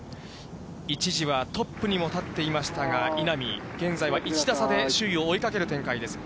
一時はトップにも立っていましたが、稲見、現在は１打差で首位を追いかける展開です。